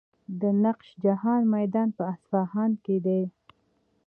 د نقش جهان میدان په اصفهان کې دی.